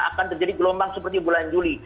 akan terjadi gelombang seperti bulan juli